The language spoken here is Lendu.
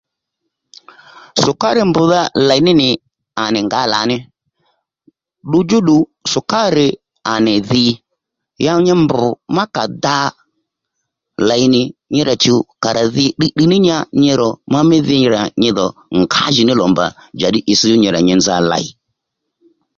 Sùkárì mbrdha lèy ní nì à nì ngǎ lǎní ddu djúddù sùkárì à nì dhi ya nyi mbr má kà dà lèy nì nyi rà chùw kà rà dhí tdiytdiy ní nya nyi rò ma mí dhi à rà nyi dhò ngǎjìní lò mbà njàddí itsś djú nyi rà nyi nza lèy